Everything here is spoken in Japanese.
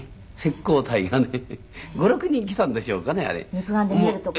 肉眼で見える所に。